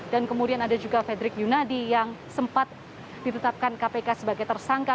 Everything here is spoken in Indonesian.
kemudian ada juga fredrik yunadi yang sempat ditetapkan kpk sebagai tersangka